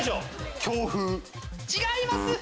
違います！